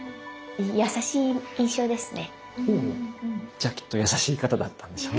じゃあきっと優しい方だったんでしょうね。